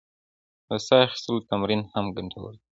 د ساه اخیستلو تمرین هم ګټور دی.